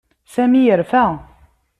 Sami yerfa.